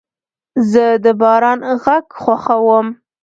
زه د باران غږ خوښوم.